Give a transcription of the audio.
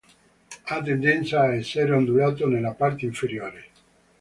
Ha tendenza a essere ondulato nella parte inferiore.